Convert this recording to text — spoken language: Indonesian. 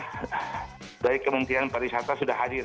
dan dari kemungkinan para wisata sudah hadir